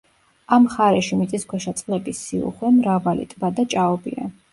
ამ მხარეში მიწისქვეშა წყლების სიუხვე, მრავალი ტბა და ჭაობია.